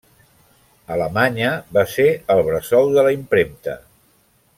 Alemanya va ser el bressol de la impremta.